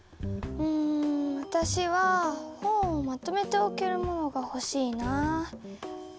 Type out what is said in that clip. うんわたしは本をまとめておけるものがほしいな。